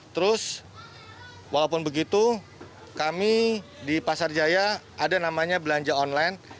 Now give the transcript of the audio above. terus walaupun begitu kami di pasar jaya ada namanya belanja online